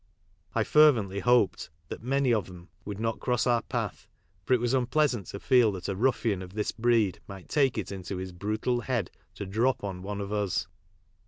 I fervently hoped that "many of 'em" would not cross our path, for it was unpleasant to feel that a ruffian of this breed might take it into his brutal head to i{ drop on" one of us.